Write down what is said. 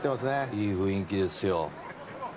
いい雰囲気ですよ。